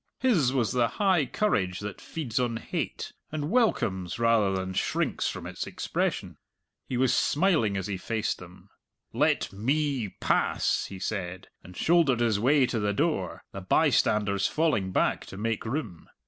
His was the high courage that feeds on hate, and welcomes rather than shrinks from its expression. He was smiling as he faced them. "Let me pass," he said, and shouldered his way to the door, the bystanders falling back to make room.